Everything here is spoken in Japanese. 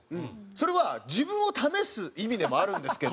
それは自分を試す意味でもあるんですけど。